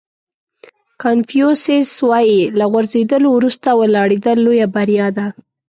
کانفیوسیس وایي له غورځېدلو وروسته ولاړېدل لویه بریا ده.